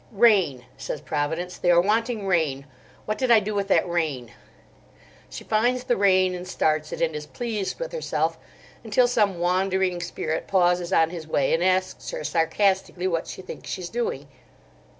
"Rain," says Providence, "they are wanting rain. What did I do with that rain?" She finds the rain and starts it, and is pleased with herself until some Wandering Spirit pauses on his way and asks her sarcastically what she thinks she's doing.